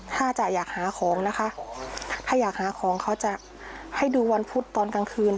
ถ้าจะอยากหาของนะคะถ้าอยากหาของเขาจะให้ดูวันพุธตอนกลางคืน